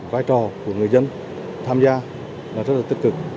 vai trò của người dân tham gia là rất là tích cực